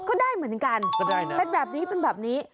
ก็ได้เหมือนกัน